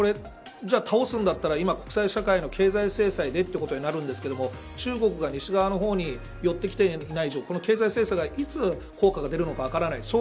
じゃあ倒すんだったら国際社会の経済制裁でとなるんですが中国が西側の方に寄ってきていない以上この経済制裁がいつ効果が出るか分からない。